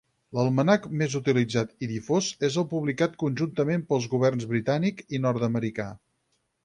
L'almanac més utilitzat i difós és el publicat conjuntament pels governs britànic i nord-americà.